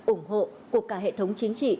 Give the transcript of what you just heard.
ủng hộ của cả hệ thống chính trị